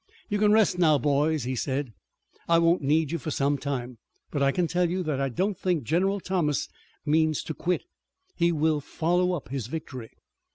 "You can rest now, boys," he said, "I won't need you for some time. But I can tell you that I don't think General Thomas means to quit. He will follow up his victory."